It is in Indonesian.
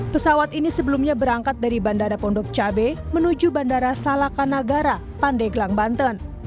pesawat ini sebelumnya berangkat dari bandara pondok cabe menuju bandara salakanagara pandeglang banten